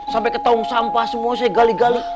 sampai ke tong sampah semua saya gali gali